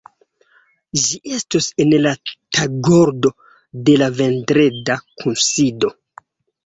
Ĝi estos en la tagordo de la vendreda kunsido.